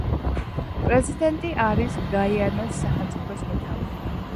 პრეზიდენტი არის გაიანას სახელმწიფოს მეთაური.